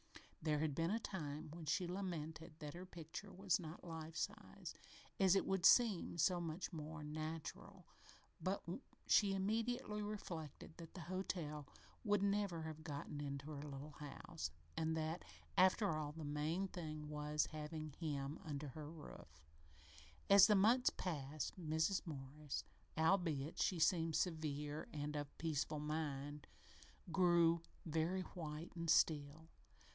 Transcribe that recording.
There had been a time when she lamented that her picture was not "life sized" as it would seem so much more natural, but she immediately reflected that that hotel would never have gotten into her little house, and that, after all, the main thing was having "him" under her own roof. As the months passed Mrs. Morris, albeit she seemed serene and of peaceful mind, grew very white and still.